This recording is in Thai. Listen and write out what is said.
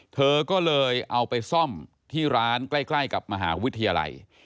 เธอก็เลยเอาไปซ่อมที่ร้านใกล้กับมหาวิทยาลัย